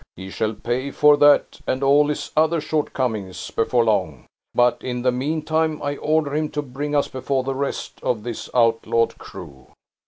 He shall pay for that and all his other shortcomings, before long! But, in the meantime, I order him to bring us before the rest of this outlawed crew."